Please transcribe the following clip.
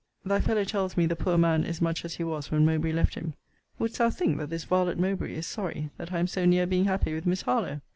Thy fellow tells me the poor man is much as he was when Mowbray left him. Wouldst thou think that this varlet Mowbray is sorry that I am so near being happy with Miss Harlowe?